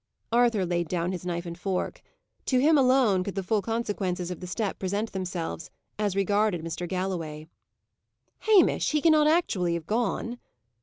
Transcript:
Arthur laid down his knife and fork. To him alone could the full consequences of the step present themselves, as regarded Mr. Galloway. "Hamish! he cannot actually have gone?"